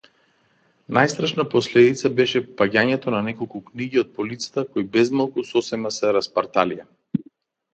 Најстрашна последица беше паѓањето на неколку книги од полицата кои безмалку сосема се распарталија.